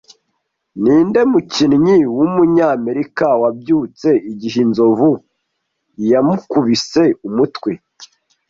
Ninde mukinnyi wumunyamerika wabyutse igihe inzovu yamukubise umutwe